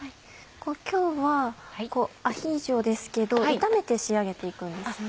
今日はアヒージョですけど炒めて仕上げて行くんですね。